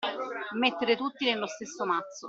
Mettere tutti nello stesso mazzo.